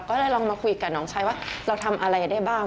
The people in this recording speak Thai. ก็เลยลองมาคุยกับน้องชายว่าเราทำอะไรได้บ้าง